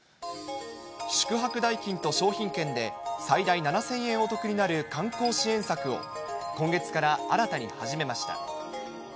宿泊代金と商品券で、最大７０００円お得になる観光支援策を今月から新たに始めました。